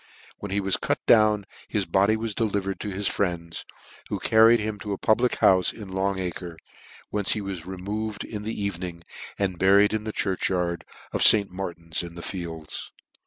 When he was cut down his body was delivered to his friends, who carried him to a public houfc in Long acre, whence he was removed in the e.ven ing, and buried in the church yard of St. Mar tin in the Fields.